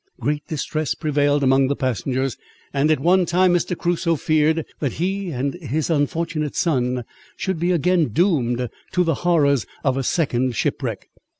Great distress prevailed among the passengers; and at one time Mr. Crusoe feared, that he and his unfortunate son should be again doomed to the horrors of a second shipwreck.